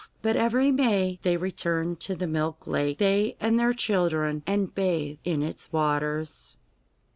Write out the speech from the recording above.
But every May they returned to the Milk Lake, they and their children, and bathed in its waters.